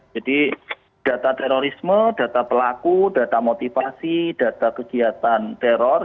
jadi data terorisme data pelaku data motivasi data kegiatan teror